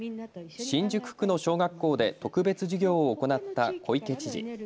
新宿区の小学校で特別授業を行った小池知事。